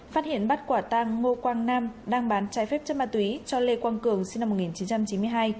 phát hiện bắt quả tăng ngô quang nam đang bán trái phép chất ma túy cho lê quang cường sinh năm một nghìn chín trăm chín mươi hai